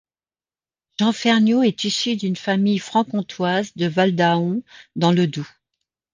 Jean Ferniot est issu d'une famille franc-comtoise, de Valdahon, dans le Doubs.